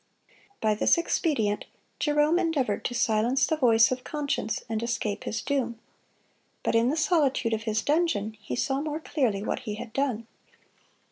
(146) By this expedient Jerome endeavored to silence the voice of conscience and escape his doom. But in the solitude of his dungeon he saw more clearly what he had done.